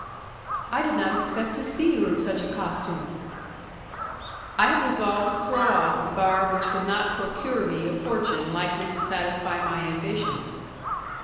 "I did not expect to see you in such a costume." "I have resolved to throw off the garb which could not procure me a fortune likely to satisfy my ambition."